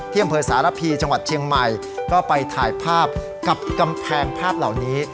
อำเภอสารพีจังหวัดเชียงใหม่ก็ไปถ่ายภาพกับกำแพงภาพเหล่านี้